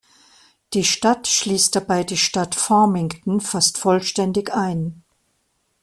Die Stadt schließt dabei die Stadt Farmington fast vollständig ein.